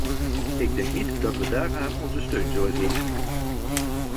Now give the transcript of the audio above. Ik denk niet dat we daaraan onze steun zullen geven.